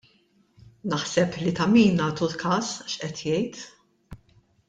Naħseb li ta' min nagħtu każ x'qed jgħid.